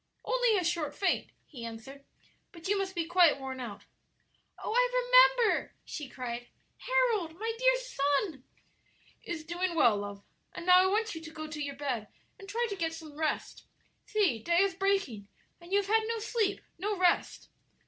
"Only a short faint," he answered. "But you must be quite worn out." "Oh, I remember!" she cried. "Harold, my dear son " "Is doing well, love. And now I want you to go to your bed and try to get some rest. See, day is breaking, and you have had no sleep, no rest."